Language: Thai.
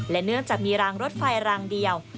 เนื่องจากมีรางรถไฟรางเดียว